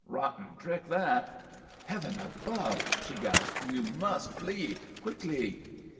"Rotten trick, that!" "Heaven above!" she gasped. "You must flee quickly!"